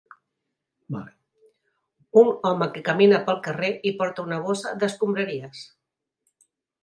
Un home que camina pel carrer i porta una bossa d'escombraries.